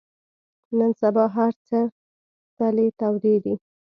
نن سبا هر څه تلې تودې دي.